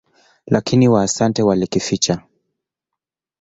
Lakini Waasante walikificha.